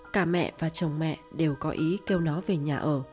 cả mẹ và chồng mẹ đều có ý kêu nó về nhà ở